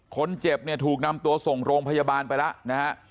คนเจ็บเนี่ยถูกนำตัวส่งโรงพยาบาลไปแล้วนะฮะ